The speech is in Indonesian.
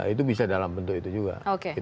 itu bisa dalam bentuk itu juga